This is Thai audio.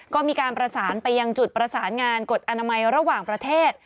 ก็มีการประสานไปยังจุดประสานงานกฎอนามัยระหว่างประเทศ